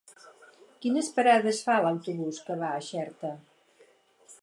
Quines parades fa l'autobús que va a Xerta?